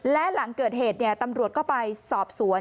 และหลังเกิดเหตุตำรวจก็ไปสอบสวน